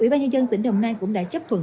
ủy ban nhân dân tỉnh đồng nai cũng đã chấp thuận